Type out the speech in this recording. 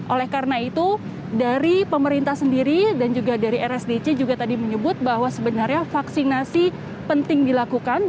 oleh karena itu dari pemerintah sendiri dan juga dari rsdc juga tadi menyebut bahwa sebenarnya vaksinasi penting dilakukan